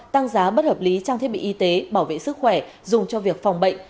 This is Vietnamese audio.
tăng giá bất hợp lý trang thiết bị y tế bảo vệ sức khỏe dùng cho việc phòng bệnh